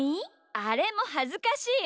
あれもはずかしいの！